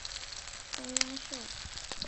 中央社